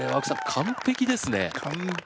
完璧ですね。